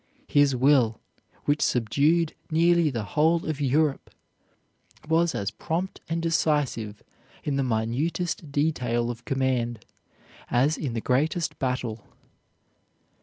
His will, which subdued nearly the whole of Europe, was as prompt and decisive in the minutest detail of command as in the greatest battle.